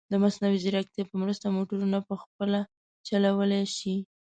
د مصنوعي ځیرکتیا په مرسته، موټرونه په خپله چلولی شي.